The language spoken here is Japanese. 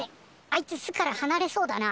あいつ巣からはなれそうだな。